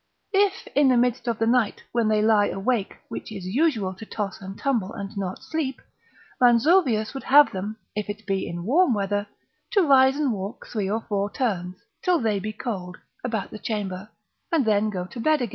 If, in the midst of the night, when they lie awake, which is usual to toss and tumble, and not sleep, Ranzovius would have them, if it be in warm weather, to rise and walk three or four turns (till they be cold) about the chamber, and then go to bed again.